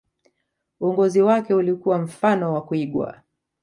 uongozi wake ulikuwa mfano wa kuigwa